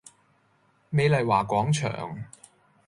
美麗華廣場